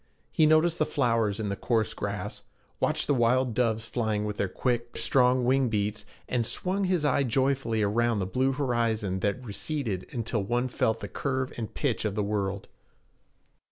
He noticed the flowers in the coarse grass, watched the wild doves flying with their quick, strong wing beats, and swung his eye joyfully around the blue horizons that receded until one felt the curve and pitch of the world.